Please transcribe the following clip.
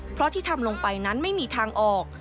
เพราะที่ทำลงไปนั้นไม่มีทางออก